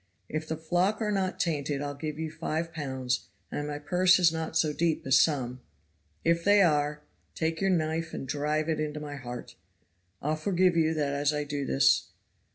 If the flock are not tainted I'll give you five pounds, and my purse is not so deep as some. If they are, take your knife and drive it into my heart. I'll forgive you that as I do this.